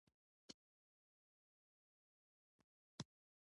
• باران د هوا تازه والي ته وده ورکوي.